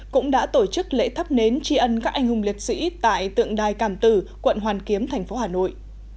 cũng đã tổ chức lễ thắp nến tri ân các anh hùng liệt sĩ tại tượng đài càm tử quận hoàn kiếm thành phố hà nội